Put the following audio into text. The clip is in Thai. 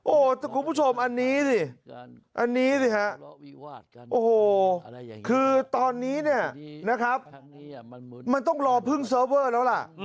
โอ้โหแต่คุณผู้ชมอันนี้สิอันนี้สิฮะโอ้โหคือตอนนี้เนี่ยนะครับมันต้องรอพึ่งเซิร์ฟเวอร์แล้วล่ะ